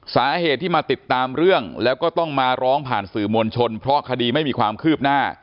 สาเหตุที่มาติดตามเรื่องแล้วก็ต้องมาร้องผ่านสื่อมวลชนเพราะคดีไม่มีความคืบหน้า